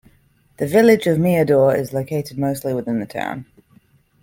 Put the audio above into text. The Village of Milladore is located mostly within the town.